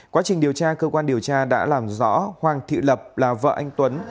quá trình điều tra cơ quan điều tra đã làm rõ hoàng thị lập là vợ anh tuấn